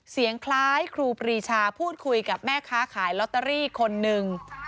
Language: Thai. เสียงคล้ายครูปรีชาพูดคุยกับแม่ค้าขายลอตเตอรี่คนหนึ่ง